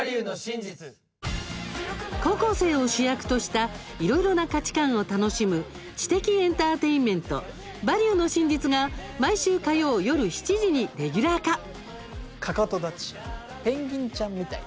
高校生を主役としたいろいろな価値観を楽しむ知的エンターテインメント「バリューの真実」が毎週火曜夜７時にレギュラー化。